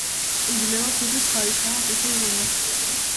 იძლევა სუფრის ხარისხოვან წითელ ღვინოს.